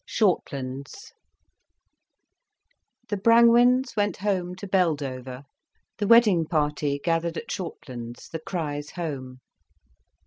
SHORTLANDS The Brangwens went home to Beldover, the wedding party gathered at Shortlands, the Criches' home.